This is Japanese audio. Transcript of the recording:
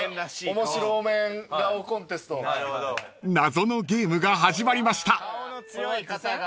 ［謎のゲームが始まりました］